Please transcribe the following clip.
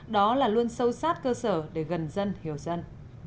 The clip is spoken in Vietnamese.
đó là luôn sâu sát cơ sở để gần dân hiểu dân